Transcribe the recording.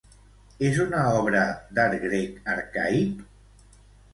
És una obra d'art grec arcaic?